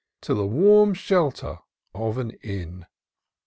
To the wann shelter of an inn.